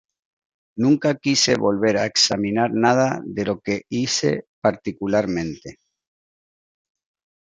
Nunca quise volver a examinar nada de lo que hice particularmente.